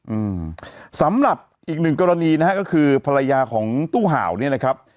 อืมสำหรับอีกหนึ่งกรณีนะฮะก็คือภรรยาของตู้ห่าวเนี่ยนะครับ